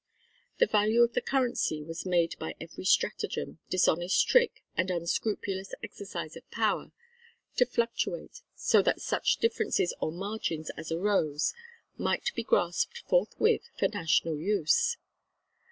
The value of the currency was made by every stratagem, dishonest trick, and unscrupulous exercise of power, to fluctuate so that such differences or margins as arose might be grasped forthwith for national use.